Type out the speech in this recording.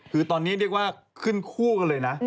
คือตอนนี้เรียกว่าขึ้นคู่กันเลยนะ